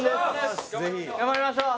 頑張りましょう。